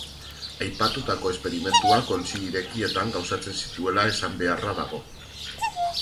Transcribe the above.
Aipatutako esperimentuak ontzi irekietan gauzatzen zituela esan beharra dago.